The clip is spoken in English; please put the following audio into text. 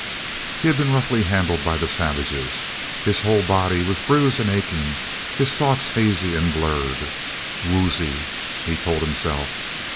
He had been roughly handled by the savages. His whole body was bruised and aching, his thoughts hazy and blurred. "Woozy," he told himself.